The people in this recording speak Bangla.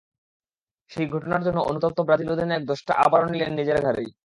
সেই ঘটনার জন্য অনুতপ্ত ব্রাজিল অধিনায়ক দোষটা আবারও নিলেন নিজের ঘাড়েই।